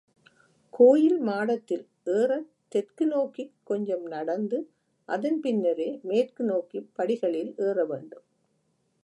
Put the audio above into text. கோயில் மாடத்தில் ஏறத் தெற்கு நோக்கிக் கொஞ்சம் நடந்து, அதன் பின்னரே மேற்கு நோக்கிப் படிகளில் ஏறவேண்டும்.